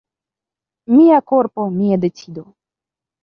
"Mia korpo, mia decido."